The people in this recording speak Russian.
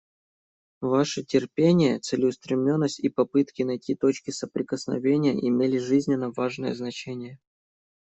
Ваши терпение, целеустремленность и попытки найти точки соприкосновения имели жизненно важное значение.